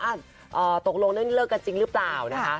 ตกลงเรื่องนี้เลิกกันจริงหรือเปล่านะคะ